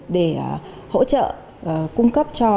để hỗ trợ cung cấp cho